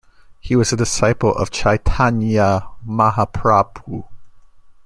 He was a disciple of Chaitanya Mahaprabhu.